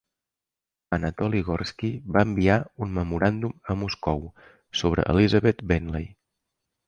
Anatoly Gorsky va enviar un memoràndum a Moscou sobre Elizabeth Bentley.